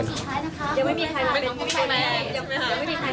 ยังไม่มีใครนะครับ